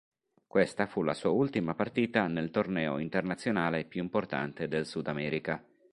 Questa fu la sua ultima partita nel torneo internazionale più importante del Sudamerica.